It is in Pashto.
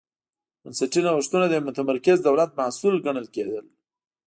بنسټي نوښتونه د یوه متمرکز دولت محصول ګڼل کېدل.